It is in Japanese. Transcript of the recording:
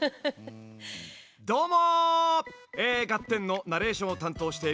どうも。